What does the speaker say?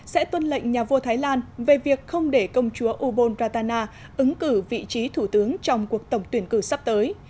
sẽ tuân lệnh nhà vua thái lan về việc không để công chúa ubon ratana ứng cử vị trí thủ tướng trong cuộc tổng tuyển cử sắp tới